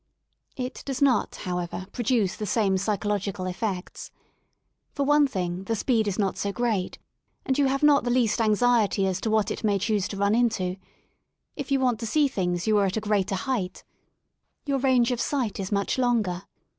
It does not, howeverj pro duce the same psychological effects. For one thing, the speed is not so great, and you have not the least anxiety as to what it may choose to run into; if you want to see things you are at a greater height, your 39 THE SOUL OF LONDON range of sight is much longer.